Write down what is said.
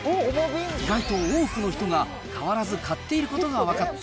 意外と多くの人が変わらず買っていることが分かった